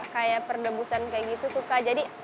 kayak perdebusan kayak gitu suka jadi